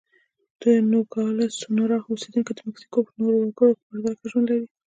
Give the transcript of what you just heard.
د نوګالس سونورا اوسېدونکي د مکسیکو نورو وګړو په پرتله ښه ژوند لري.